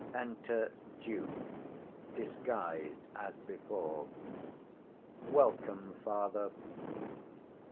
Enter DUKE disguised as before. Welcome, father.